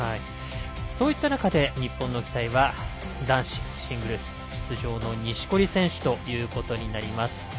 そういった中で日本の期待は男子シングルス出場の錦織選手ということになります。